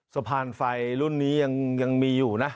สะพานไฟรุ่นนี้ยังมีอยู่นะ